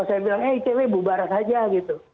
saya bilang eh cewek bubarat saja gitu